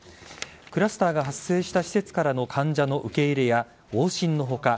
クラスターが発生した施設からの患者の受け入れや往診の他